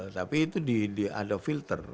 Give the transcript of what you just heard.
tapi itu ada filter